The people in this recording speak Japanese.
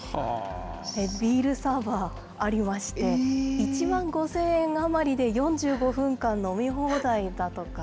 ビールサーバーありまして、１万５０００円余りで４５分間飲み放題だとか。